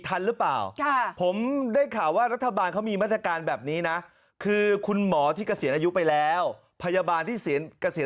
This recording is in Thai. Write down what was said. ฟึกซ้อมการใช้วัคซีนแล้วให้